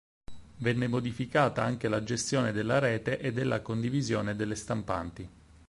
Venne modificata anche la gestione della rete e della condivisione delle stampanti.